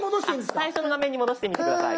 最初の画面に戻してみて下さい。